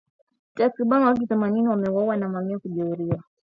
Takribani watu themanini wameuawa na mamia kujeruhiwa